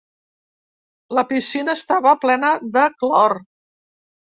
La piscina estava plena de clor.